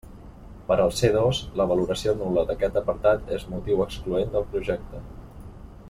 Per al C dos, la valoració nul·la d'aquest apartat és motiu excloent del projecte.